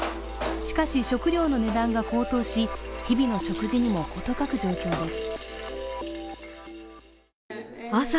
しかし、食料の値段が高騰し、日々の食事にも事欠く状況です。